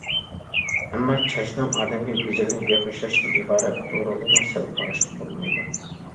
ئەمما چاچنىڭ ئادەمگە گۈزەللىك بېغىشلاشتىن ئىبارەت بۇ رولىغىمۇ سەل قاراشقا بولمايدۇ.